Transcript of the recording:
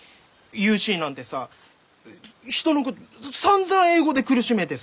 ユーシーなんてさ人のことさんざん英語で苦しめてさ！